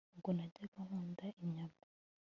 ubwo najyaga nkunda inyama